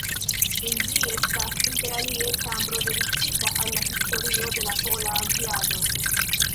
En ĝi estas interalie ĉambro dediĉita al la historio de la pola aviado.